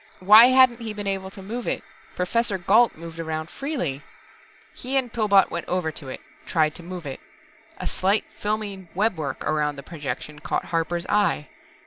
Why hadn't he been able to move it Professor Gault moved about freely. He and Pillbot went over to it, tried to move it. A slight filmy webwork around the projection caught Harper's eye.